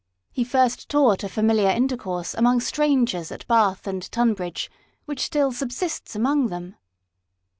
He first taught a familiar intercourse among strangers at Bath and Tunbridge, which still subsists among them.